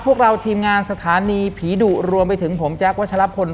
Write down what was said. พวกเราทีมงานสถานีผีดุรวมไปถึงผมแจ๊ควัชลพล